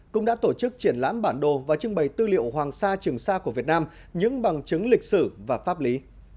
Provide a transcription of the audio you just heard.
cũng đã tổ chức triển lãm bản đồ và trưng bày tư liệu hoàng sa trường sa của việt nam những bằng chứng lịch sử và pháp lý